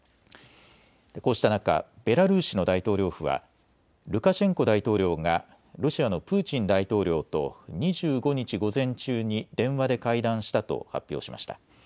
こうした中、ベラルーシの大統領府はルカシェンコ大統領がロシアのプーチン大統領と２５日午前中に電話で会談したと発表しました。